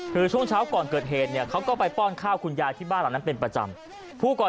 คือช่วงเช้าก่อนเกิดเหตุ